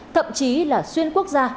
thậm chí là xuyên quốc gia